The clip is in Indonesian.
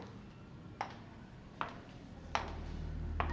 tentang apa yang terjadi